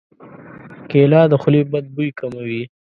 کېله د خولې بد بوی کموي.